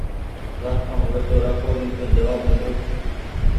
رآکڻو هووي تو رآکو نيتو جوآب ۮيدو